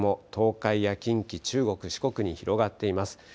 東海や近畿、中国、四国に広がっています。